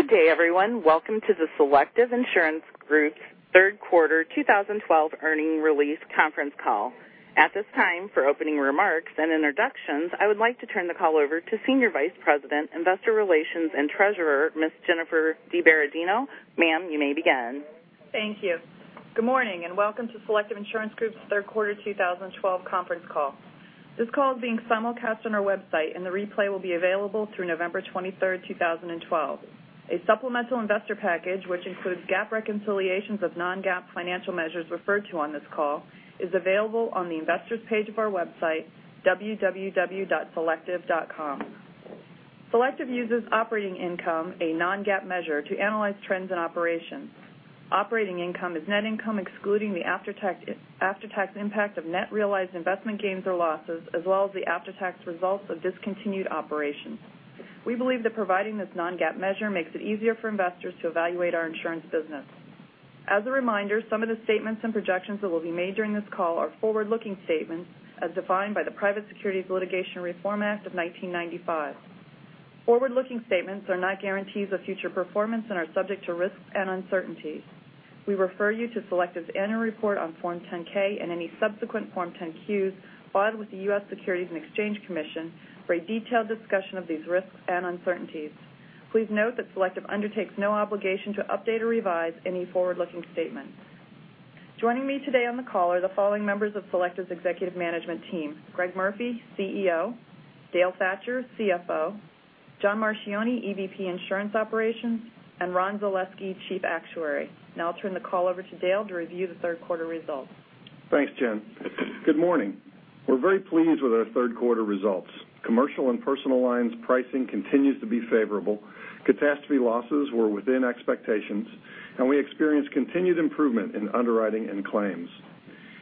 Good day, everyone. Welcome to the Selective Insurance Group's third quarter 2012 earnings release conference call. At this time, for opening remarks and introductions, I would like to turn the call over to Senior Vice President, Investor Relations and Treasurer, Ms. Jennifer DiBerardino. Ma'am, you may begin. Thank you. Good morning, and welcome to Selective Insurance Group's third quarter 2012 conference call. This call is being simulcast on our website, and the replay will be available through November 23rd, 2012. A supplemental investor package, which includes GAAP reconciliations of non-GAAP financial measures referred to on this call, is available on the investors page of our website, www.selective.com. Selective uses operating income, a non-GAAP measure, to analyze trends in operations. Operating income is net income excluding the after-tax impact of net realized investment gains or losses, as well as the after-tax results of discontinued operations. We believe that providing this non-GAAP measure makes it easier for investors to evaluate our insurance business. As a reminder, some of the statements and projections that will be made during this call are forward-looking statements as defined by the Private Securities Litigation Reform Act of 1995. Forward-looking statements are not guarantees of future performance and are subject to risks and uncertainties. We refer you to Selective's annual report on Form 10-K and any subsequent Form 10-Qs filed with the U.S. Securities and Exchange Commission for a detailed discussion of these risks and uncertainties. Please note that Selective undertakes no obligation to update or revise any forward-looking statements. Joining me today on the call are the following members of Selective's executive management team: Greg Murphy, CEO, Dale Thatcher, CFO, John Marchioni, EVP Insurance Operations, and Ron Zaleski, Chief Actuary. Now I'll turn the call over to Dale to review the third quarter results. Thanks, Jen. Good morning. We're very pleased with our third quarter results. Commercial and Personal Lines pricing continues to be favorable. Catastrophe losses were within expectations, and we experienced continued improvement in underwriting and claims.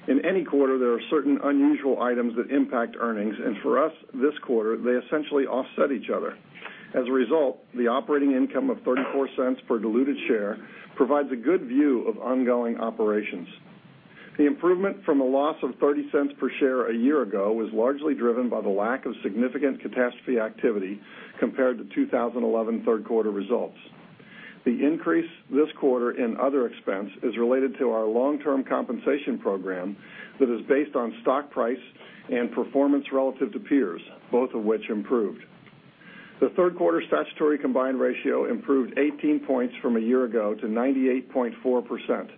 In any quarter, there are certain unusual items that impact earnings, and for us, this quarter, they essentially offset each other. As a result, the operating income of $0.34 per diluted share provides a good view of ongoing operations. The improvement from a loss of $0.30 per share a year ago was largely driven by the lack of significant catastrophe activity compared to 2011 third quarter results. The increase this quarter in other expense is related to our long-term compensation program that is based on stock price and performance relative to peers, both of which improved. The third quarter statutory combined ratio improved 18 points from a year ago to 98.4%.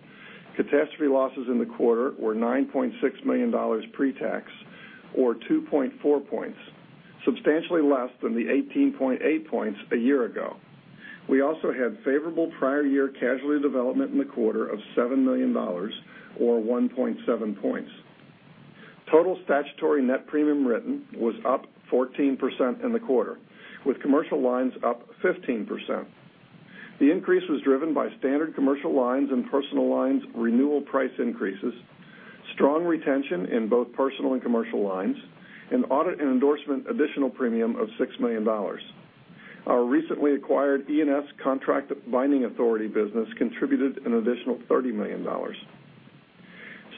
Catastrophe losses in the quarter were $9.6 million pre-tax or 2.4 points, substantially less than the 18.8 points a year ago. We also had favorable prior year casualty development in the quarter of $7 million, or 1.7 points. Total statutory net premium written was up 14% in the quarter, with Commercial Lines up 15%. The increase was driven by Standard Commercial Lines and Personal Lines renewal price increases, strong retention in both Personal and Commercial Lines, and audit and endorsement additional premium of $6 million. Our recently acquired E&S contract binding authority business contributed an additional $30 million.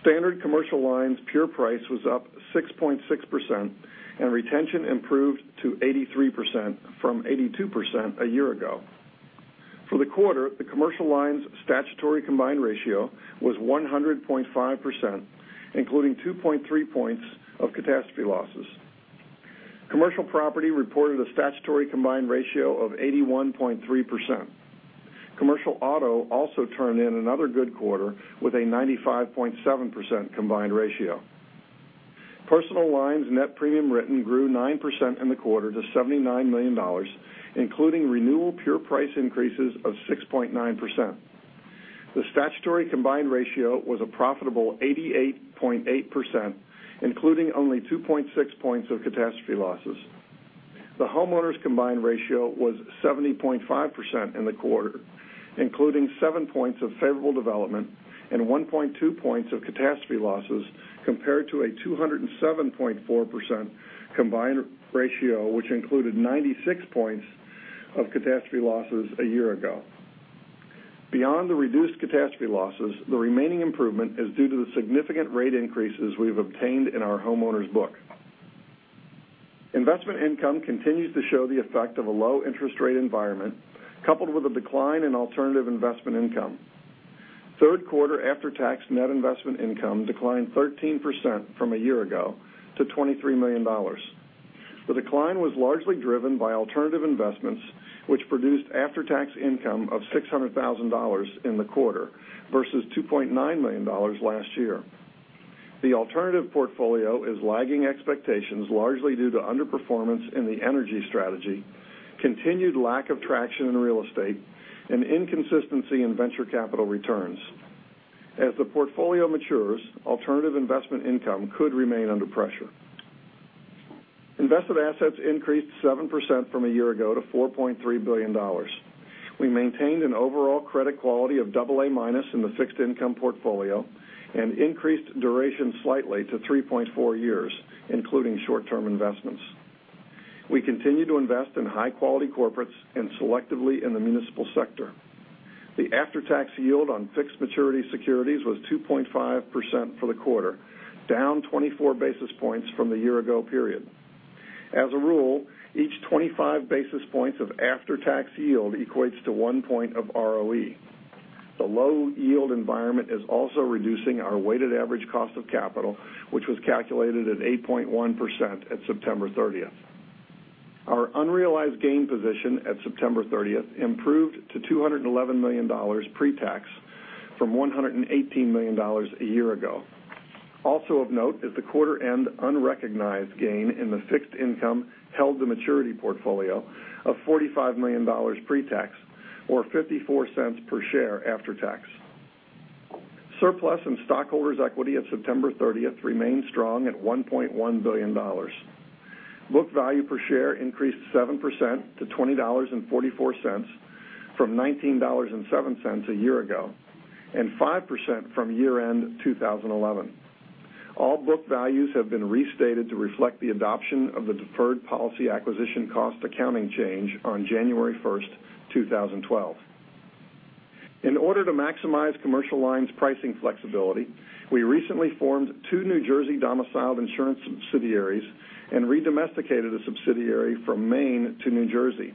Standard Commercial Lines pure price was up 6.6%, and retention improved to 83% from 82% a year ago. For the quarter, the Commercial Lines' statutory combined ratio was 100.5%, including 2.3 points of catastrophe losses. Commercial Property reported a statutory combined ratio of 81.3%. Commercial Auto also turned in another good quarter with a 95.7% combined ratio. Personal Lines net premium written grew 9% in the quarter to $79 million, including renewal pure price increases of 6.9%. The statutory combined ratio was a profitable 88.8%, including only 2.6 points of catastrophe losses. The homeowners' combined ratio was 70.5% in the quarter, including seven points of favorable development and 1.2 points of catastrophe losses compared to a 207.4% combined ratio, which included 96 points of catastrophe losses a year ago. Beyond the reduced catastrophe losses, the remaining improvement is due to the significant rate increases we've obtained in our homeowners book. Investment income continues to show the effect of a low interest rate environment, coupled with a decline in alternative investment income. Third quarter after-tax net investment income declined 13% from a year ago to $23 million. The decline was largely driven by alternative investments, which produced after-tax income of $600,000 in the quarter versus $2.9 million last year. The alternative portfolio is lagging expectations largely due to underperformance in the energy strategy, continued lack of traction in real estate, and inconsistency in venture capital returns. As the portfolio matures, alternative investment income could remain under pressure. Invested assets increased 7% from a year ago to $4.3 billion. We maintained an overall credit quality of double A minus in the fixed income portfolio and increased duration slightly to 3.4 years, including short-term investments. We continue to invest in high-quality corporates and selectively in the municipal sector. The after-tax yield on fixed maturity securities was 2.5% for the quarter, down 24 basis points from the year ago period. As a rule, each 25 basis points of after-tax yield equates to one point of ROE. The low yield environment is also reducing our weighted average cost of capital, which was calculated at 8.1% at September 30th. Our unrealized gain position at September 30th improved to $211 million pre-tax from $118 million a year ago. Also of note is the quarter-end unrecognized gain in the fixed income, held the maturity portfolio of $45 million pre-tax, or $0.54 per share after tax. Surplus and stockholders' equity at September 30th remained strong at $1.1 billion. Book value per share increased 7% to $20.44 from $19.07 a year ago, and 5% from year-end 2011. All book values have been restated to reflect the adoption of the Deferred Policy Acquisition Cost accounting change on January 1st, 2012. In order to maximize Commercial Lines pricing flexibility, we recently formed two New Jersey domiciled insurance subsidiaries and redomesticated a subsidiary from Maine to New Jersey.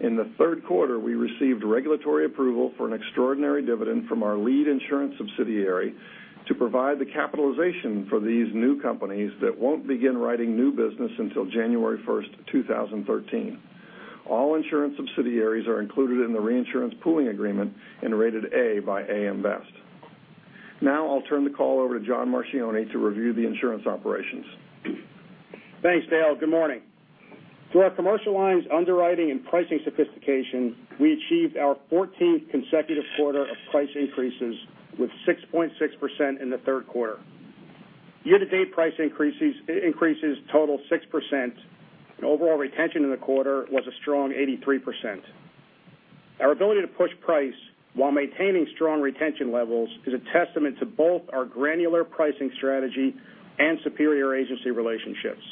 In the third quarter, we received regulatory approval for an extraordinary dividend from our lead insurance subsidiary to provide the capitalization for these new companies that won't begin writing new business until January 1st, 2013. All insurance subsidiaries are included in the reinsurance pooling agreement and rated A by AM Best. I'll turn the call over to John Marchioni to review the insurance operations. Thanks, Dale. Good morning. Through our commercial lines underwriting and pricing sophistication, we achieved our 14th consecutive quarter of price increases with 6.6% in the third quarter. Year-to-date price increases total 6%. Overall retention in the quarter was a strong 83%. Our ability to push price while maintaining strong retention levels is a testament to both our granular pricing strategy and superior agency relationships.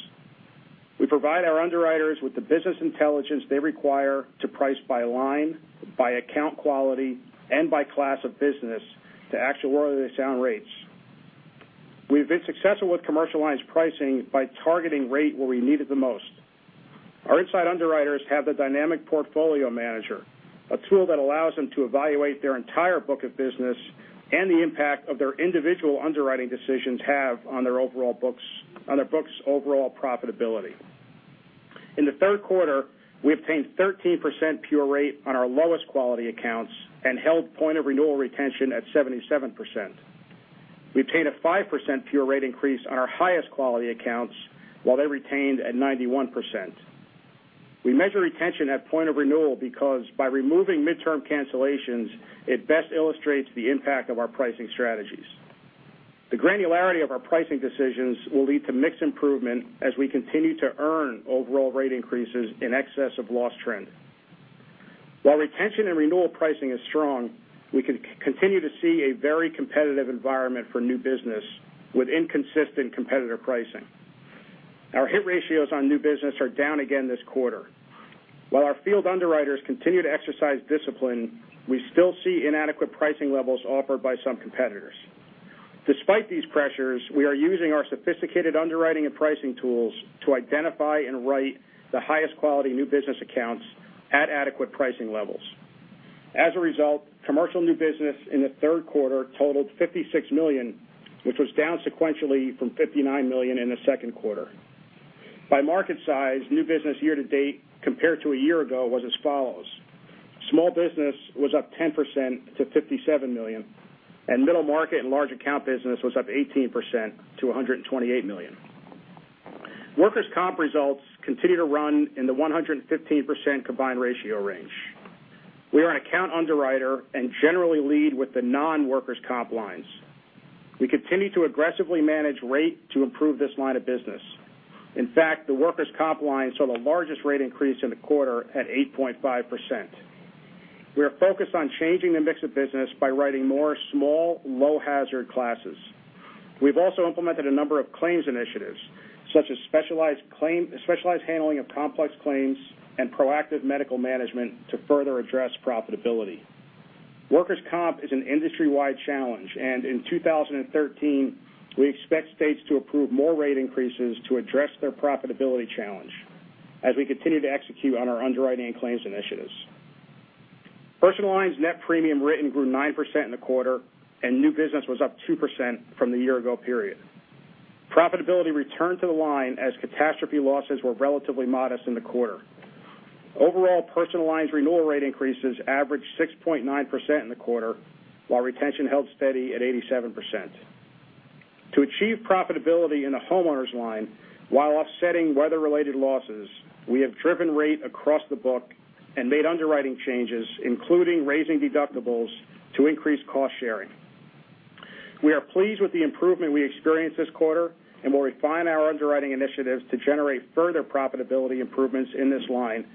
We provide our underwriters with the business intelligence they require to price by line, by account quality, and by class of business to actuarially sound rates. We've been successful with commercial lines pricing by targeting rate where we need it the most. Our inside underwriters have the dynamic portfolio manager, a tool that allows them to evaluate their entire book of business and the impact of their individual underwriting decisions have on their book's overall profitability. In the third quarter, we obtained 13% pure rate on our lowest quality accounts and held point of renewal retention at 77%. We obtained a 5% pure rate increase on our highest quality accounts, while they retained at 91%. We measure retention at point of renewal because by removing midterm cancellations, it best illustrates the impact of our pricing strategies. The granularity of our pricing decisions will lead to mixed improvement as we continue to earn overall rate increases in excess of loss trend. Retention and renewal pricing is strong, we can continue to see a very competitive environment for new business with inconsistent competitive pricing. Our hit ratios on new business are down again this quarter. Our field underwriters continue to exercise discipline, we still see inadequate pricing levels offered by some competitors. Despite these pressures, we are using our sophisticated underwriting and pricing tools to identify and write the highest quality new business accounts at adequate pricing levels. Commercial new business in the third quarter totaled $56 million, which was down sequentially from $59 million in the second quarter. By market size, new business year to date compared to a year ago was as follows. Small business was up 10% to $57 million. Middle market and large account business was up 18% to $128 million. Workers' Comp results continue to run in the 115% combined ratio range. We are an account underwriter and generally lead with the non-Workers' Comp lines. We continue to aggressively manage rate to improve this line of business. In fact, the Workers' Comp line saw the largest rate increase in the quarter at 8.5%. We are focused on changing the mix of business by writing more small, low hazard classes. We've also implemented a number of claims initiatives, such as specialized handling of complex claims and proactive medical management to further address profitability. Workers' comp is an industry-wide challenge, and in 2013, we expect states to approve more rate increases to address their profitability challenge as we continue to execute on our underwriting and claims initiatives. Personal Lines net premium written grew 9% in the quarter, and new business was up 2% from the year ago period. Profitability returned to the line as catastrophe losses were relatively modest in the quarter. Overall, Personal Lines renewal rate increases averaged 6.9% in the quarter, while retention held steady at 87%. To achieve profitability in the homeowners line while offsetting weather related losses, we have driven rate across the book and made underwriting changes, including raising deductibles to increase cost sharing. We are pleased with the improvement we experienced this quarter and will refine our underwriting initiatives to generate further profitability improvements in this line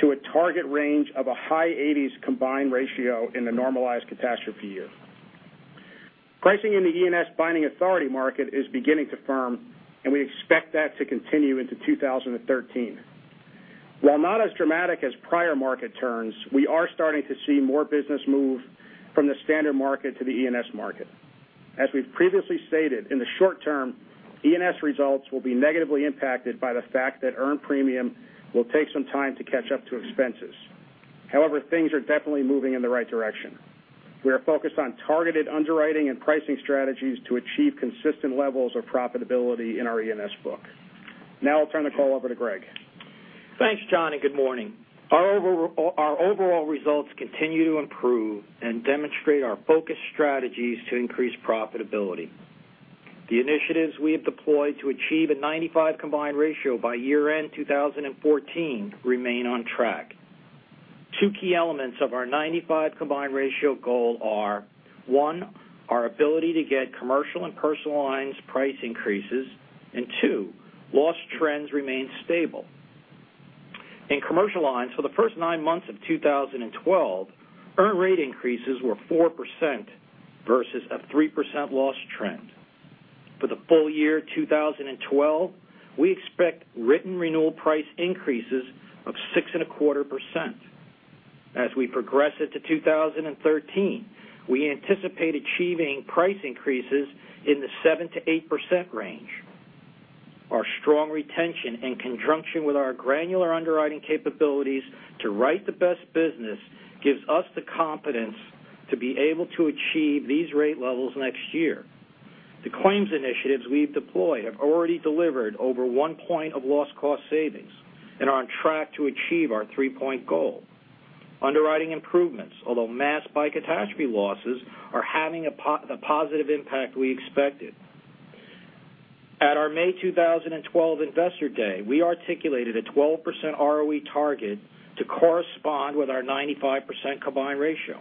to a target range of a high 80s combined ratio in a normalized catastrophe year. Pricing in the E&S binding authority market is beginning to firm, we expect that to continue into 2013. While not as dramatic as prior market turns, we are starting to see more business move from the standard market to the E&S market. As we've previously stated, in the short term, E&S results will be negatively impacted by the fact that earned premium will take some time to catch up to expenses. However, things are definitely moving in the right direction. We are focused on targeted underwriting and pricing strategies to achieve consistent levels of profitability in our E&S book. Now I'll turn the call over to Greg. Thanks, John, good morning. Our overall results continue to improve and demonstrate our focused strategies to increase profitability. The initiatives we have deployed to achieve a 95 combined ratio by year-end 2014 remain on track. Two key elements of our 95 combined ratio goal are, one, our ability to get Commercial Lines and Personal Lines price increases, and two, loss trends remain stable. In Commercial Lines, for the first nine months of 2012, earned rate increases were 4% versus a 3% loss trend. For the full year 2012, we expect written renewal price increases of 6.25%. As we progress into 2013, we anticipate achieving price increases in the 7%-8% range. Our strong retention in conjunction with our granular underwriting capabilities to write the best business gives us the confidence to be able to achieve these rate levels next year. The claims initiatives we've deployed have already delivered over one point of loss cost savings and are on track to achieve our three-point goal. Underwriting improvements, although masked by catastrophe losses, are having the positive impact we expected. At our May 2012 Investor Day, we articulated a 12% ROE target to correspond with our 95% combined ratio.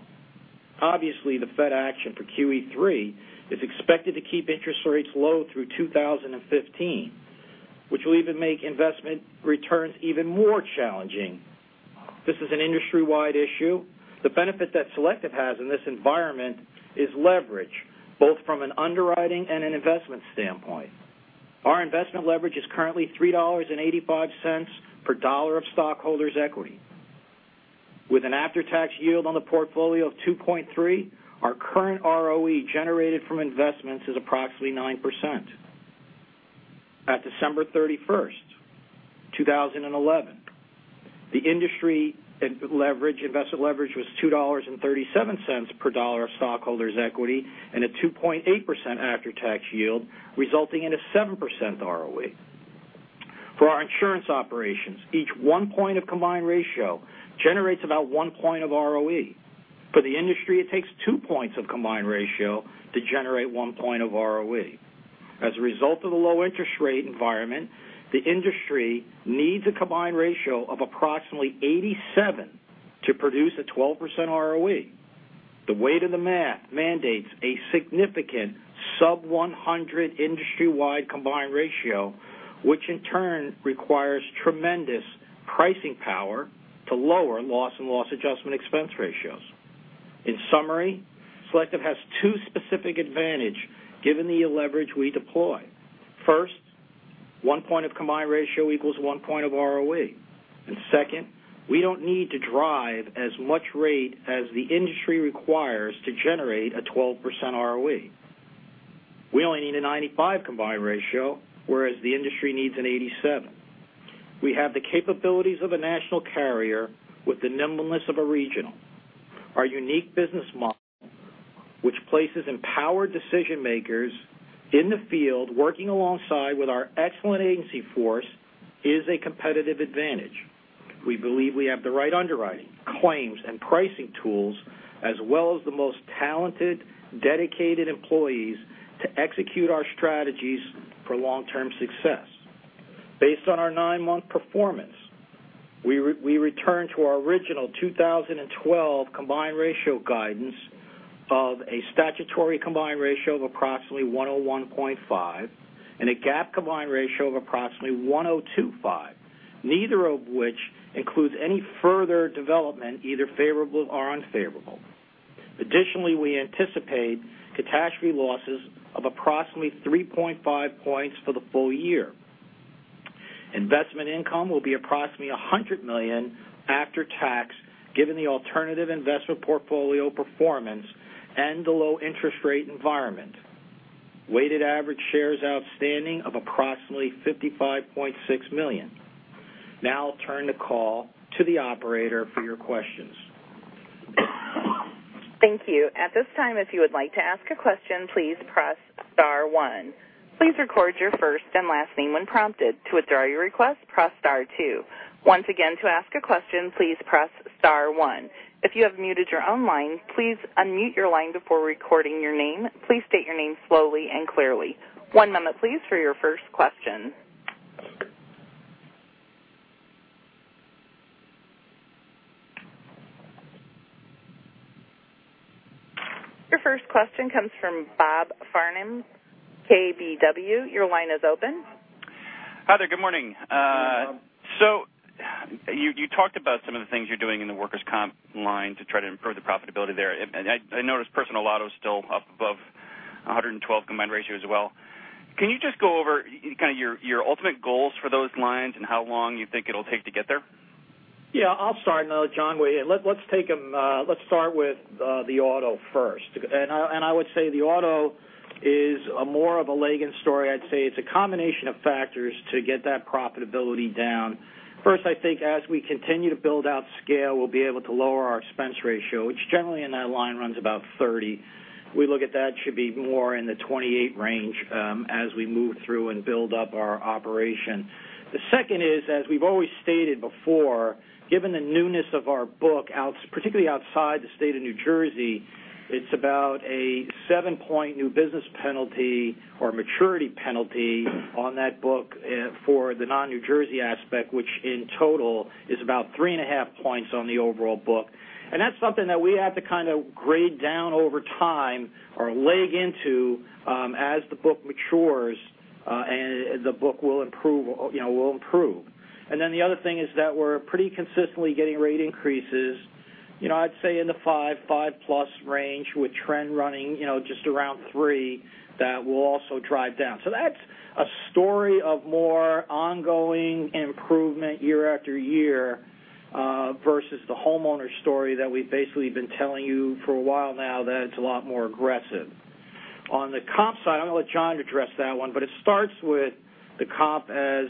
Obviously, the Fed action for QE3 is expected to keep interest rates low through 2015, which will even make investment returns even more challenging. This is an industry-wide issue. The benefit that Selective has in this environment is leverage, both from an underwriting and an investment standpoint. Our investment leverage is currently $3.85 per dollar of stockholders' equity. With an after-tax yield on the portfolio of 2.3, our current ROE generated from investments is approximately 9%. At December 31st, 2011, the industry leverage, investment leverage was $2.37 per dollar of stockholders' equity and a 2.8% after-tax yield, resulting in a 7% ROE. For our insurance operations, each one point of combined ratio generates about one point of ROE. For the industry, it takes two points of combined ratio to generate one point of ROE. As a result of the low interest rate environment, the industry needs a combined ratio of approximately 87 to produce a 12% ROE. The weight of the math mandates a significant sub-100 industry-wide combined ratio, which in turn requires tremendous pricing power to lower loss and loss adjustment expense ratios. In summary, Selective has two specific advantage given the leverage we deploy. First, one point of combined ratio equals one point of ROE. Second, we don't need to drive as much rate as the industry requires to generate a 12% ROE. We only need a 95 combined ratio, whereas the industry needs an 87. We have the capabilities of a national carrier with the nimbleness of a regional. Our unique business model, which places empowered decision-makers in the field working alongside with our excellent agency force, is a competitive advantage. We believe we have the right underwriting, claims, and pricing tools, as well as the most talented, dedicated employees to execute our strategies for long-term success. Based on our nine-month performance, we return to our original 2012 combined ratio guidance of a statutory combined ratio of approximately 101.5 and a GAAP combined ratio of approximately 102.5, neither of which includes any further development, either favorable or unfavorable. Additionally, we anticipate catastrophe losses of approximately 3.5 points for the full year. Investment income will be approximately $100 million after tax, given the alternative investment portfolio performance and the low interest rate environment. Weighted average shares outstanding of approximately 55.6 million. Now I'll turn the call to the operator for your questions. Thank you. At this time, if you would like to ask a question, please press star one. Please record your first and last name when prompted. To withdraw your request, press star two. Once again, to ask a question, please press star one. If you have muted your own line, please unmute your line before recording your name. Please state your name slowly and clearly. One moment, please, for your first question. Your first question comes from Bob Farnham, KBW. Your line is open. Hi there. Good morning. Hi, Bob. You talked about some of the things you're doing in the workers' comp line to try to improve the profitability there. I noticed personal auto's still up above 112 combined ratio as well. Can you just go over your ultimate goals for those lines and how long you think it'll take to get there? Yeah, I'll start and I'll let John weigh in. Let's start with the auto first. I would say the auto is more of a lag in story. I'd say it's a combination of factors to get that profitability down. First, I think as we continue to build out scale, we'll be able to lower our expense ratio, which generally in that line runs about 30. We look at that should be more in the 28 range as we move through and build up our operation. The second is, as we've always stated before, given the newness of our book, particularly outside the state of New Jersey, it's about a seven-point new business penalty or maturity penalty on that book for the non-New Jersey aspect, which in total is about three and a half points on the overall book. That's something that we have to kind of grade down over time or lag into as the book matures, and the book will improve. Then the other thing is that we're pretty consistently getting rate increases, I'd say in the five-plus range with trend running just around three. That will also drive down. That's a story of more ongoing improvement year after year, versus the homeowner story that we've basically been telling you for a while now, that it's a lot more aggressive. On the comp side, I'm going to let John address that one, but it starts with the comp as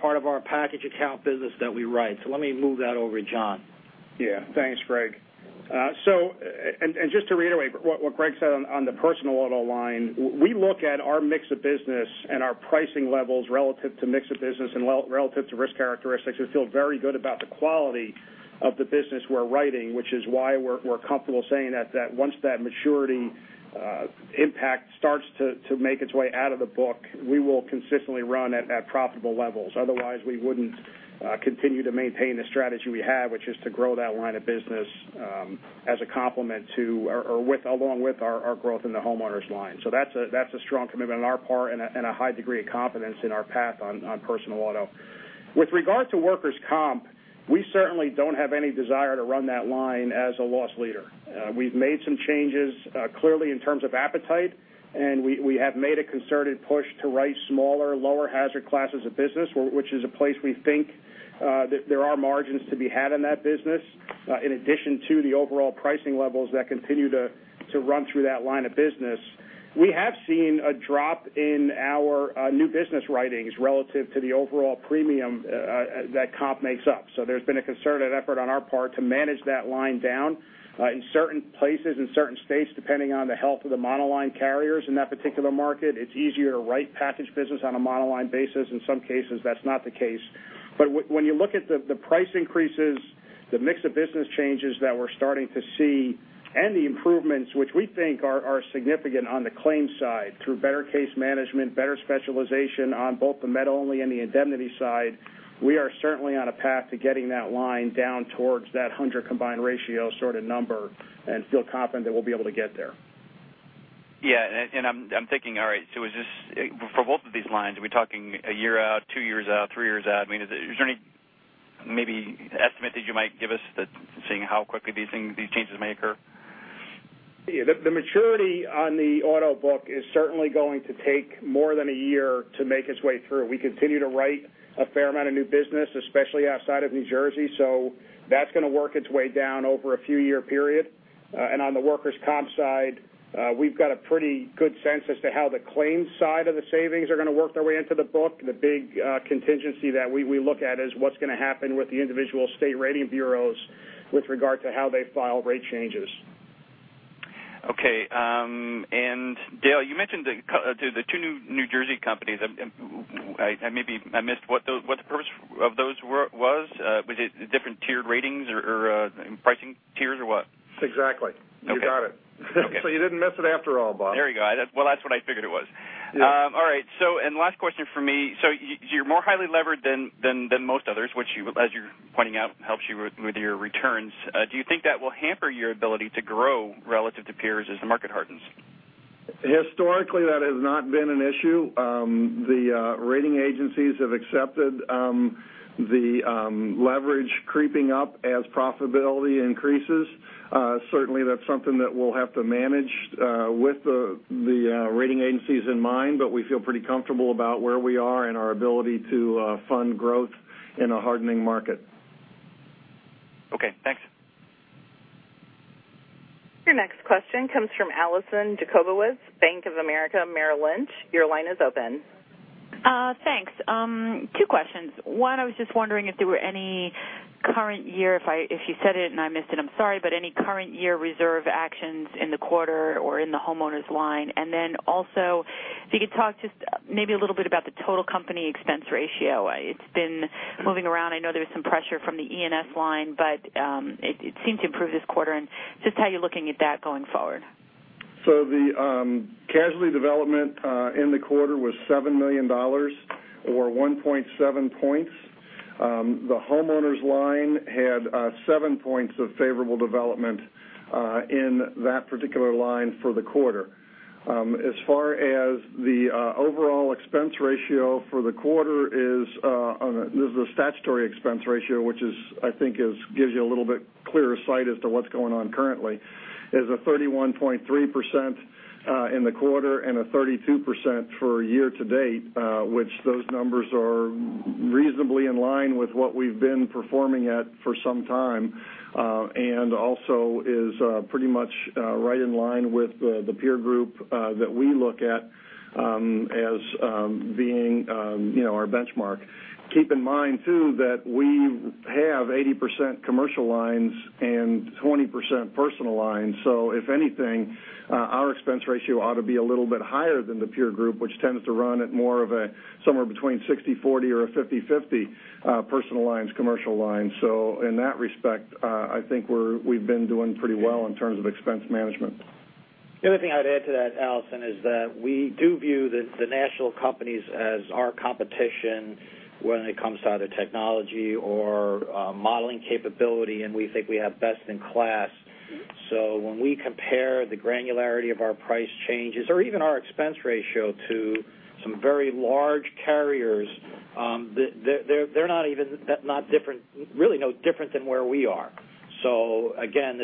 part of our package account business that we write. Let me move that over to John. Yeah. Thanks, Greg. Just to reiterate what Greg said on the personal auto line, we look at our mix of business and our pricing levels relative to mix of business and relative to risk characteristics, and feel very good about the quality of the business we're writing, which is why we're comfortable saying that once that maturity impact starts to make its way out of the book, we will consistently run at profitable levels. Otherwise, we wouldn't continue to maintain the strategy we have, which is to grow that line of business as a complement to, or along with our growth in the homeowners line. That's a strong commitment on our part and a high degree of confidence in our path on personal auto. With regard to Workers' Comp, we certainly don't have any desire to run that line as a loss leader. We've made some changes, clearly in terms of appetite, and we have made a concerted push to write smaller, lower hazard classes of business, which is a place we think that there are margins to be had in that business, in addition to the overall pricing levels that continue to run through that line of business. We have seen a drop in our new business writings relative to the overall premium that comp makes up. There's been a concerted effort on our part to manage that line down in certain places, in certain states, depending on the health of the monoline carriers in that particular market. It's easier to write package business on a monoline basis. In some cases, that's not the case. When you look at the price increases, the mix of business changes that we're starting to see, and the improvements, which we think are significant on the claims side through better case management, better specialization on both the med only and the indemnity side, we are certainly on a path to getting that line down towards that 100 combined ratio sort of number, and feel confident that we'll be able to get there. Yeah. I'm thinking, all right, so for both of these lines, are we talking one year out, two years out, three years out? I mean, is there any maybe estimate that you might give us that seeing how quickly these changes may occur? The maturity on the auto book is certainly going to take more than one year to make its way through. We continue to write a fair amount of new business, especially outside of New Jersey, so that's going to work its way down over a few-year period. On the workers' comp side, we've got a pretty good sense as to how the claims side of the savings are going to work their way into the book. The big contingency that we look at is what's going to happen with the individual state rating bureaus with regard to how they file rate changes. Okay. Dale, you mentioned the two new New Jersey companies. I missed what the purpose of those was. Was it different tiered ratings or pricing tiers or what? Exactly. Okay. You got it. Okay. You didn't miss it after all, Bob. There you go. That's what I figured it was. Yeah. All right. Last question for me, you're more highly levered than most others, which as you're pointing out, helps you with your returns. Do you think that will hamper your ability to grow relative to peers as the market hardens? Historically, that has not been an issue. The rating agencies have accepted the leverage creeping up as profitability increases. Certainly, that's something that we'll have to manage with the rating agencies in mind, but we feel pretty comfortable about where we are and our ability to fund growth in a hardening market. Okay, thanks. Your next question comes from Allison Jacobowitz, Bank of America Merrill Lynch. Your line is open. Thanks. Two questions. One, I was just wondering if there were any current year, if you said it and I missed it, I'm sorry, but any current year reserve actions in the quarter or in the homeowners line? Also, if you could talk just maybe a little bit about the total company expense ratio. It's been moving around. I know there was some pressure from the E&S line, but it seemed to improve this quarter, and just how you're looking at that going forward. The casualty development in the quarter was $7 million or 1.7 points. The homeowners line had seven points of favorable development in that particular line for the quarter. As far as the overall expense ratio for the quarter, this is a statutory expense ratio, which I think gives you a little bit clearer sight as to what's going on currently, is a 31.3% in the quarter and a 32% for year-to-date, which those numbers are reasonably in line with what we've been performing at for some time, and also is pretty much right in line with the peer group that we look at as being our benchmark. Keep in mind too, that we have 80% Commercial Lines and 20% Personal Lines. If anything, our expense ratio ought to be a little bit higher than the peer group, which tends to run at more of somewhere between 60/40 or a 50/50 Personal Lines, Commercial Lines. In that respect, I think we've been doing pretty well in terms of expense management. The other thing I'd add to that, Allison, is that we do view the national companies as our competition when it comes to either technology or modeling capability, and we think we have best in class. When we compare the granularity of our price changes or even our expense ratio to some very large carriers, they're really no different than where we are. Again,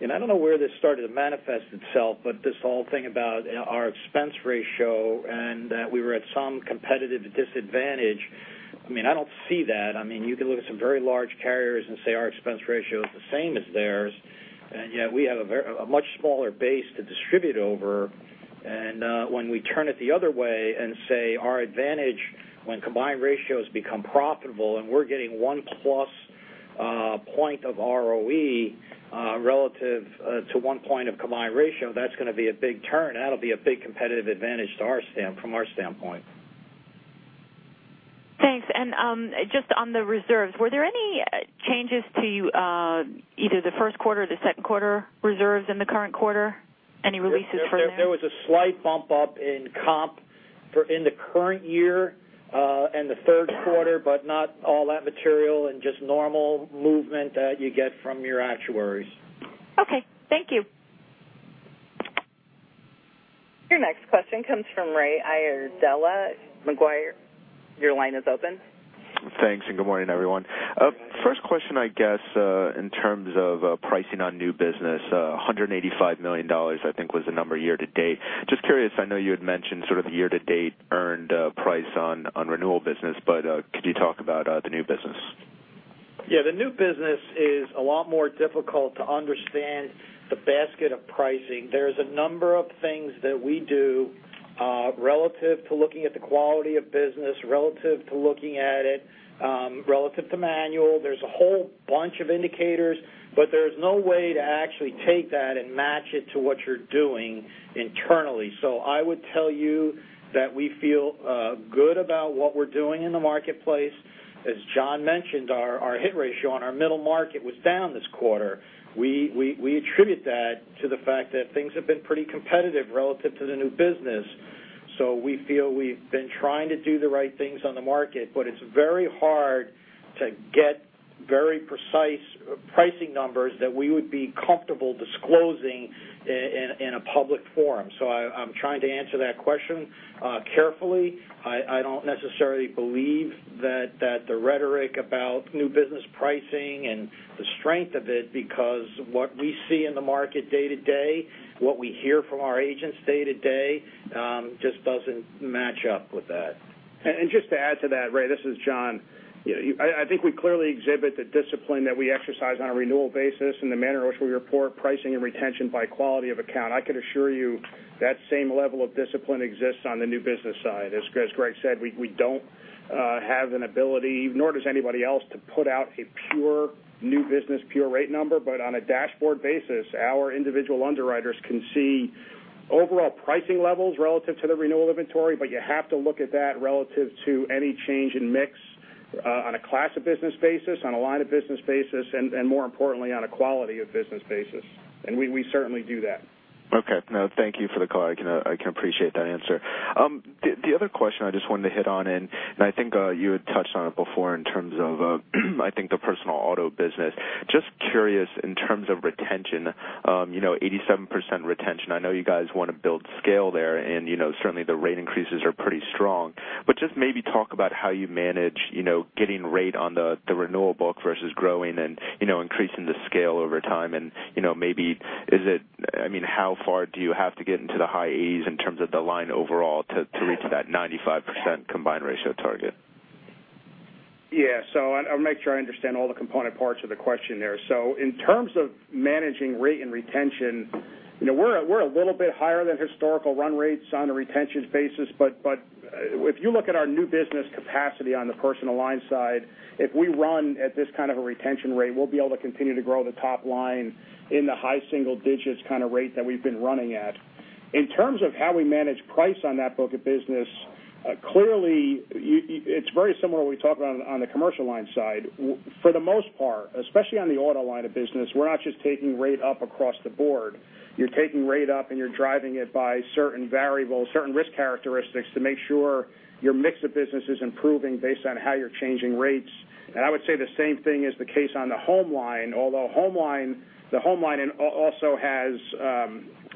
and I don't know where this started to manifest itself, but this whole thing about our expense ratio and that we were at some competitive disadvantage, I don't see that. You can look at some very large carriers and say our expense ratio is the same as theirs, and yet we have a much smaller base to distribute over. When we turn it the other way and say our advantage when combined ratios become profitable and we're getting one-plus point of ROE relative to one point of combined ratio, that's going to be a big turn. That'll be a big competitive advantage from our standpoint. Thanks. Just on the reserves, were there any changes to either the first quarter or the second quarter reserves in the current quarter? Any releases from there? There was a slight bump up in comp in the current year, and the third quarter, not all that material and just normal movement that you get from your actuaries. Okay. Thank you. Your next question comes from Raymond Iardella at Macquarie. Your line is open. Thanks. Good morning, everyone. First question, I guess, in terms of pricing on new business, $185 million I think was the number year-to-date. Just curious, I know you had mentioned sort of year-to-date earned price on renewal business, but could you talk about the new business? Yeah, the new business is a lot more difficult to understand the basket of pricing. There's a number of things that we do relative to looking at the quality of business, relative to looking at it, relative to manual. There's a whole bunch of indicators, but there's no way to actually take that and match it to what you're doing internally. I would tell you that we feel good about what we're doing in the marketplace. As John mentioned, our hit ratio on our middle market was down this quarter. We attribute that to the fact that things have been pretty competitive relative to the new business. We feel we've been trying to do the right things on the market, but it's very hard to get very precise pricing numbers that we would be comfortable disclosing in a public forum. I'm trying to answer that question carefully. I don't necessarily believe that the rhetoric about new business pricing and the strength of it, because what we see in the market day to day, what we hear from our agents day to day, just doesn't match up with that. Just to add to that, Ray, this is John. I think we clearly exhibit the discipline that we exercise on a renewal basis in the manner in which we report pricing and retention by quality of account. I could assure you that same level of discipline exists on the new business side. As Greg said, we don't have an ability, nor does anybody else, to put out a pure new business, pure rate number. On a dashboard basis, our individual underwriters can see overall pricing levels relative to the renewal inventory, but you have to look at that relative to any change in mix on a class of business basis, on a line of business basis, and more importantly, on a quality of business basis. We certainly do that. Okay. Thank you for the call. I can appreciate that answer. The other question I just wanted to hit on, and I think you had touched on it before in terms of, I think, the personal auto business, just curious in terms of retention, 87% retention. I know you guys want to build scale there, and certainly the rate increases are pretty strong. Just maybe talk about how you manage getting rate on the renewable versus growing and increasing the scale over time, and maybe how far do you have to get into the high 80s in terms of the line overall to reach that 95% combined ratio target? I'll make sure I understand all the component parts of the question there. In terms of managing rate and retention, we're a little bit higher than historical run rates on a retention basis. If you look at our new business capacity on the personal line side, if we run at this kind of a retention rate, we'll be able to continue to grow the top line in the high single digits kind of rate that we've been running at. In terms of how we manage price on that book of business. Clearly, it's very similar when we talk on the commercial line side. For the most part, especially on the auto line of business, we're not just taking rate up across the board. You're taking rate up and you're driving it by certain variables, certain risk characteristics to make sure your mix of business is improving based on how you're changing rates. I would say the same thing is the case on the home line. Although the home line also has,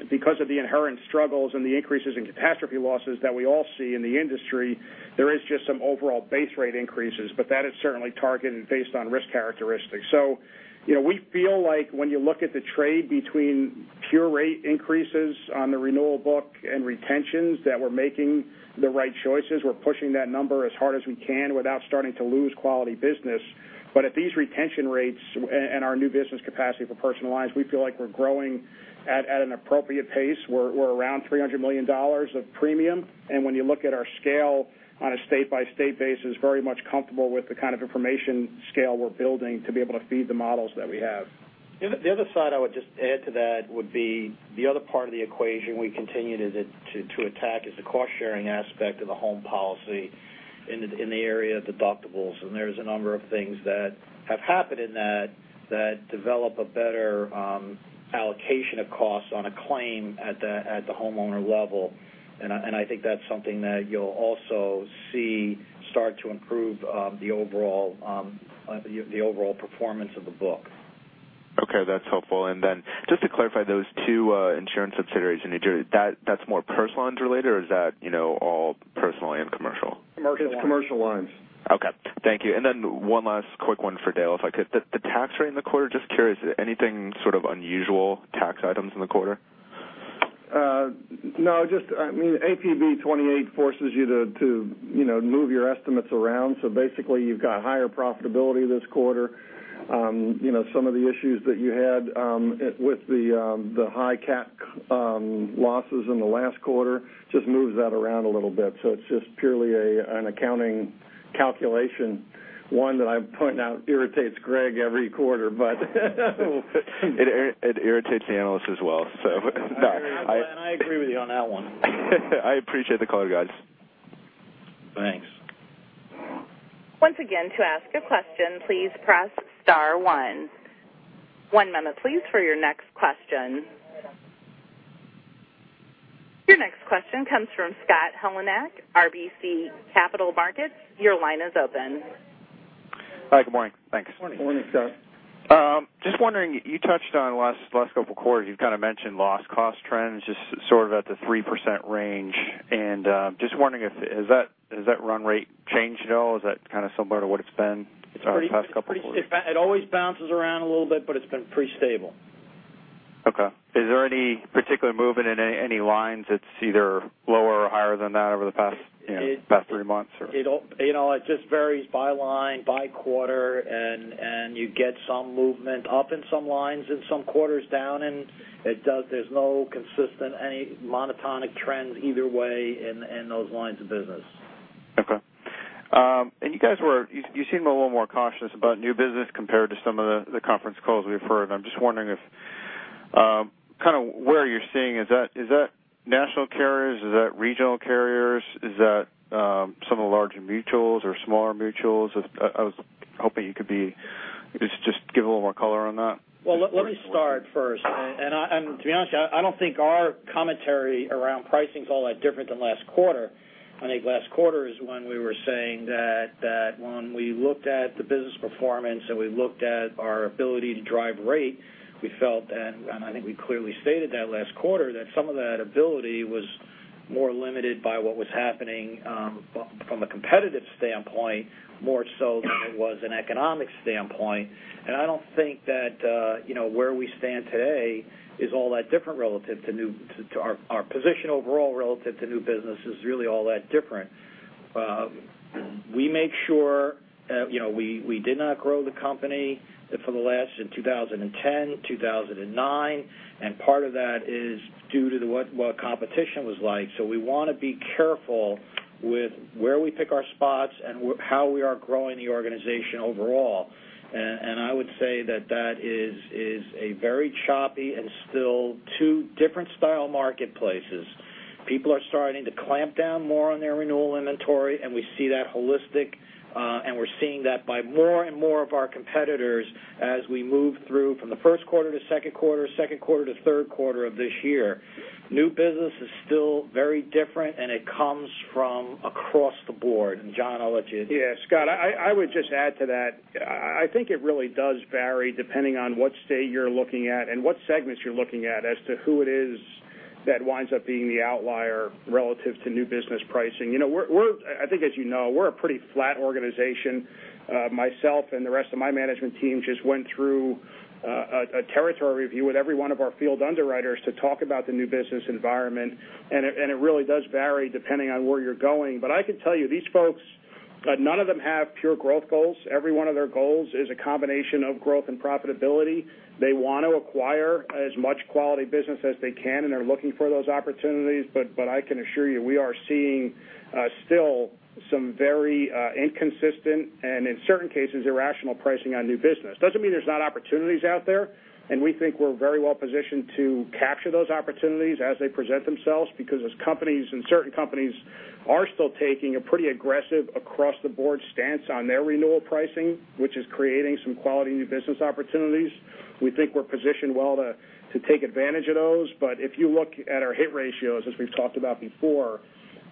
because of the inherent struggles and the increases in catastrophe losses that we all see in the industry, there is just some overall base rate increases. That is certainly targeted based on risk characteristics. We feel like when you look at the trade between pure rate increases on the renewal book and retentions, that we're making the right choices. We're pushing that number as hard as we can without starting to lose quality business. At these retention rates and our new business capacity for Personal Lines, we feel like we're growing at an appropriate pace. We're around $300 million of premium. When you look at our scale on a state-by-state basis, very much comfortable with the kind of information scale we're building to be able to feed the models that we have. The other side I would just add to that would be the other part of the equation we continue to attack is the cost-sharing aspect of the home policy in the area of deductibles. There's a number of things that have happened in that develop a better allocation of cost on a claim at the homeowner level. I think that's something that you'll also see start to improve the overall performance of the book. Okay. That's helpful. Then just to clarify, those two insurance subsidiaries in New Jersey, that's more Personal Lines related, or is that all Personal and Commercial Lines? Commercial Lines. Just Commercial Lines. Okay. Thank you. One last quick one for Dale, if I could. The tax rate in the quarter, just curious, anything sort of unusual tax items in the quarter? No, just APB 28 forces you to move your estimates around. Basically, you've got higher profitability this quarter. Some of the issues that you had with the high cat losses in the last quarter just moves that around a little bit. It's just purely an accounting calculation, one that I point out irritates Greg every quarter. It irritates the analysts as well. I agree with you on that one. I appreciate the color, guys. Thanks. Once again, to ask a question, please press star one. One moment please for your next question. Your next question comes from Scott Heleniak, RBC Capital Markets. Your line is open. Hi, good morning. Thanks. Good morning, Scott. Just wondering, you touched on the last couple of quarters, you've kind of mentioned loss cost trends just sort of at the 3% range. Just wondering, has that run rate changed at all? Is that kind of similar to what it's been the past couple quarters? It always bounces around a little bit, it's been pretty stable. Okay. Is there any particular movement in any lines that's either lower or higher than that over the past three months or? It just varies by line, by quarter, and you get some movement up in some lines, in some quarters down, and there's no consistent monotonic trend either way in those lines of business. Okay. You guys seem a little more cautious about new business compared to some of the conference calls we've heard. I'm just wondering if kind of where you're seeing, is that national carriers? Is that regional carriers? Is that some of the larger mutuals or smaller mutuals? I was hoping you could just give a little more color on that. Well, let me start first. To be honest with you, I don't think our commentary around pricing's all that different than last quarter. I think last quarter is when we were saying that when we looked at the business performance, and we looked at our ability to drive rate, we felt, and I think we clearly stated that last quarter, that some of that ability was more limited by what was happening from a competitive standpoint, more so than it was an economic standpoint. I don't think that where we stand today is all that different relative to our position overall relative to new business is really all that different. We make sure we did not grow the company for the last in 2010, 2009, and part of that is due to what competition was like. We want to be careful with where we pick our spots and how we are growing the organization overall. I would say that is a very choppy and still two different style marketplaces. People are starting to clamp down more on their renewal inventory, and we see that holistic, and we're seeing that by more and more of our competitors as we move through from the first quarter to second quarter, second quarter to third quarter of this year. New business is still very different, and it comes from across the board. John, I'll let you- Yeah, Scott, I would just add to that. I think it really does vary depending on what state you're looking at and what segments you're looking at as to who it is that winds up being the outlier relative to new business pricing. I think as you know, we're a pretty flat organization. Myself and the rest of my management team just went through a territory review with every one of our field underwriters to talk about the new business environment, and it really does vary depending on where you're going. I can tell you, these folks, none of them have pure growth goals. Every one of their goals is a combination of growth and profitability. They want to acquire as much quality business as they can, and are looking for those opportunities. I can assure you, we are seeing still Some very inconsistent and, in certain cases, irrational pricing on new business. Doesn't mean there's not opportunities out there. We think we're very well-positioned to capture those opportunities as they present themselves because as companies and certain companies are still taking a pretty aggressive across-the-board stance on their renewal pricing, which is creating some quality new business opportunities. We think we're positioned well to take advantage of those. If you look at our hit ratios, as we've talked about before,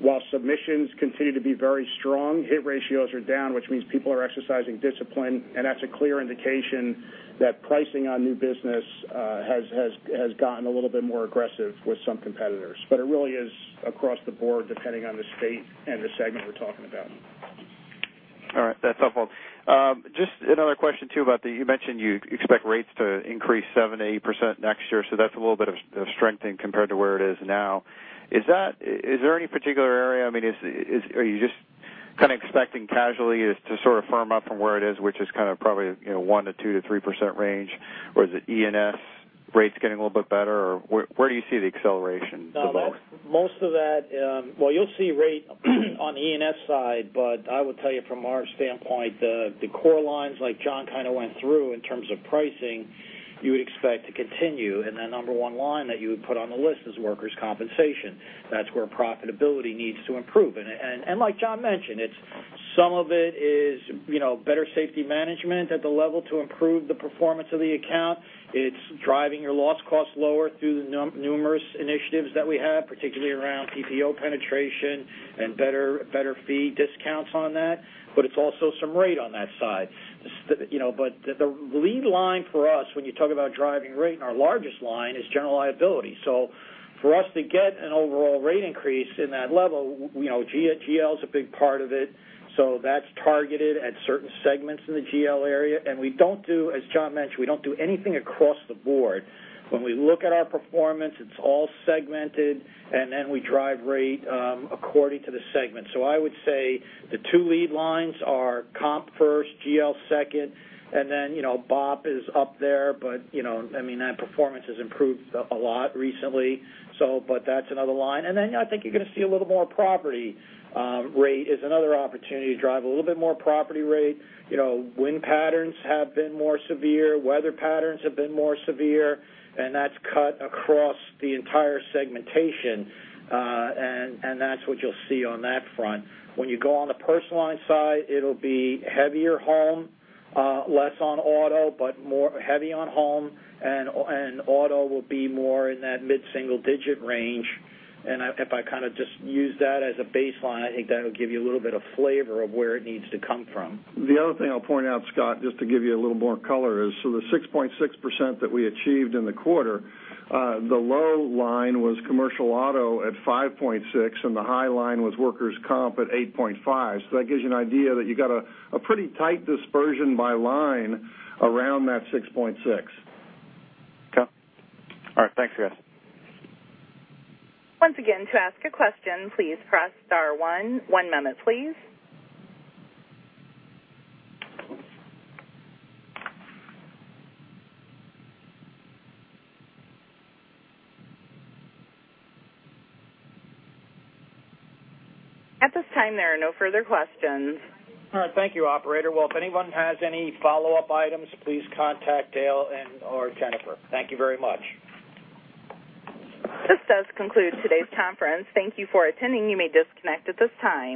while submissions continue to be very strong, hit ratios are down, which means people are exercising discipline. That's a clear indication that pricing on new business has gotten a little bit more aggressive with some competitors. It really is across the board, depending on the state and the segment we're talking about. All right, that's helpful. Just another question too about the, you mentioned you expect rates to increase 7%-8% next year, so that's a little bit of strengthening compared to where it is now. Is there any particular area? Are you just kind of expecting casually it's to sort of firm up from where it is, which is kind of probably 1%-2%-3% range? Or is it E&S rates getting a little bit better? Or where do you see the acceleration the most? Most of that, well, you'll see rate on E&S side. I would tell you from our standpoint, the core lines, like John kind of went through in terms of pricing, you would expect to continue, and the number one line that you would put on the list is Workers' Compensation. That's where profitability needs to improve. Like John mentioned, some of it is better safety management at the level to improve the performance of the account. It's driving your loss costs lower through the numerous initiatives that we have, particularly around PPO penetration and better fee discounts on that. It's also some rate on that side. The lead line for us when you talk about driving rate and our largest line is General Liability. So for us to get an overall rate increase in that level, GL's a big part of it. That's targeted at certain segments in the GL area. We don't do, as John mentioned, we don't do anything across the board. When we look at our performance, it's all segmented, we drive rate according to the segment. I would say the two lead lines are comp first, GL second, BOP is up there. That performance has improved a lot recently. That's another line. I think you're going to see a little more property rate is another opportunity to drive a little bit more property rate. Wind patterns have been more severe, weather patterns have been more severe, and that's cut across the entire segmentation. That's what you'll see on that front. When you go on the Personal Lines side, it'll be heavier home, less on auto, but heavy on home, and auto will be more in that mid-single digit range. If I kind of just use that as a baseline, I think that'll give you a little bit of flavor of where it needs to come from. The other thing I'll point out, Scott, just to give you a little more color is, the 6.6% that we achieved in the quarter, the low line was Commercial Auto at 5.6, and the high line was workers' comp at 8.5. That gives you an idea that you got a pretty tight dispersion by line around that 6.6. Okay. All right. Thanks, guys. Once again, to ask a question, please press star one. One moment, please. At this time, there are no further questions. All right. Thank you, operator. Well, if anyone has any follow-up items, please contact Dale and/or Jennifer. Thank you very much. This does conclude today's conference. Thank you for attending. You may disconnect at this time.